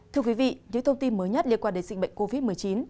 thưa quý vị những thông tin mới nhất liên quan đến dịch bệnh covid một mươi chín